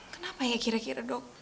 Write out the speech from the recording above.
kenapa ya kira kira dok